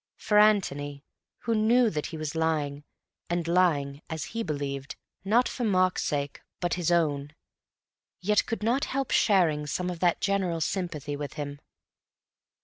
For Antony, who knew that he was lying, and lying (as he believed) not for Mark's sake but his own, yet could not help sharing some of that general sympathy with him.